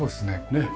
ねえ。